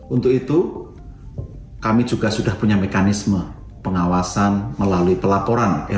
untuk itu kami juga sudah punya mekanisme pengawasan melalui pelaporan lhkpn dan juga alpa